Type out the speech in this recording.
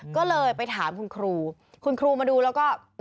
ก็เลยไปถามคุณครูคุณครูมาดูแล้วก็